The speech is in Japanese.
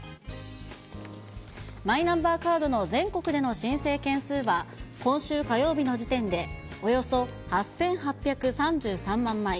マイナンバーカードの全国での申請件数は、今週火曜日の時点でおよそ８８３３万枚。